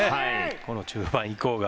この中盤以降が。